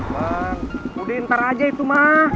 wah udah ntar aja itu mah